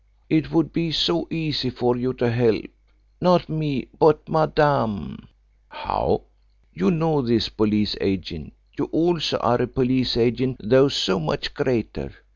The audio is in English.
It would be so easy for you to help not me, but Madame." "How?" "You know this police agent. You also are a police agent, though so much greater.